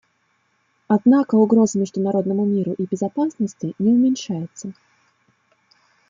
Однако угроза международному миру и безопасности не уменьшается.